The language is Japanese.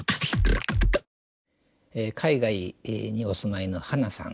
海外にお住まいのｈａｎａさん。